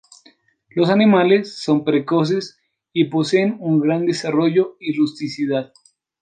Los animales son precoces y poseen un gran desarrollo y rusticidad.